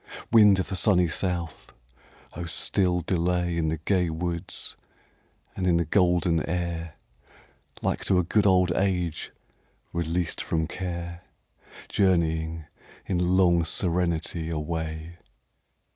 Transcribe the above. Wind of the sunny south! oh still delay In the gay woods and in the golden air, Like to a good old age released from care, Journeying, in long serenity, away.